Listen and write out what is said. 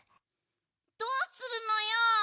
どうするのよ。